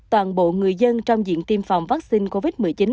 toàn bộ người dân trong diện tiêm phòng vaccine covid một mươi chín